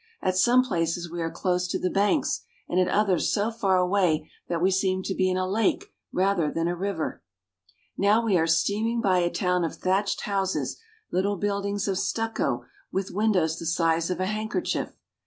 At some places we are close to the banks, and at others so far away that we seem to be in a lake rather than a river. Now we are steaming by a town of thatched houses, little buildings of stucco with windows the size of a hand kerchief.